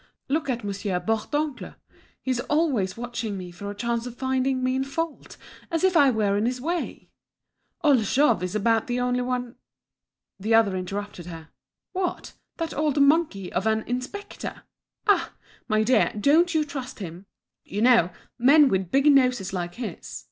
"Look at Monsieur Bourdoncle, he's always watching me for a chance of finding me in fault, as if I were in his way. Old Jouve is about the only one—" The other interrupted her. "What, that old monkey of an inspector! Ah! my dear, don't you trust him. You know, men with big noses like his!